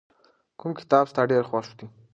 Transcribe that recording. کوم کتاب ستا ډېر خوښ دی؟